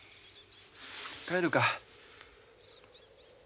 帰るか？